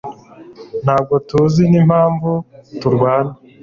Ntabwo tuzi n'impamvu turwana.